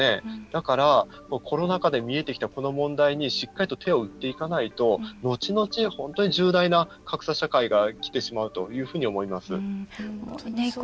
だから、コロナ禍で見えてきたこの問題にしっかりと手を打っていかないとのちのち、本当に重大な格差問題がきてしまうと思います。